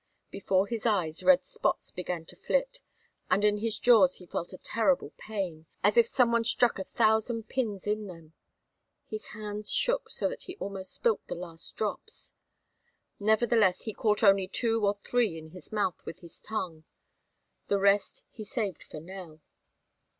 Before his eyes red spots began to flit, and in his jaws he felt a terrible pain, as if some one stuck a thousand pins in them. His hands shook so that he almost spilt these last drops. Nevertheless, he caught only two or three in his mouth with his tongue; the rest he saved for Nell.